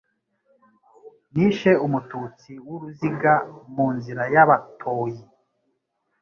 Nishe umututsi w'uruzigaMu nzira y'Abatoyi.